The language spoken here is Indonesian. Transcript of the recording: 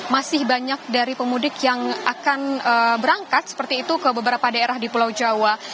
masih banyak dari pemudik yang akan berangkat seperti itu ke beberapa daerah di pulau jawa